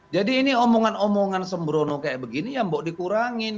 jadi ini omongan omongan sembrono kayak begini ya mbok dikurangin